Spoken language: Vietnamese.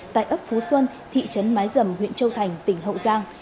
tại ấp phú xuân thị trấn mái dầm huyện châu thành tỉnh hậu giang